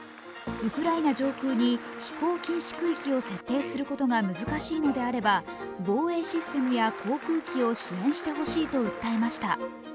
ウクライナ上空に飛行禁止区域を設定することが難しいのであれば、防衛システムや航空機を支援してほしいと訴えました。